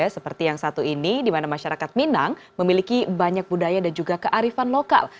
seperti yang satu ini di mana masyarakat minang memiliki banyak budaya dan juga kearifan lokal